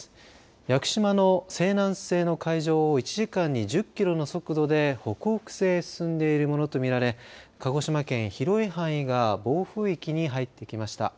屋久島の西南西の海上を１時間に１０キロの速度で北北西へ進んでいるものと見られ鹿児島県、広い範囲が暴風域に入ってきました。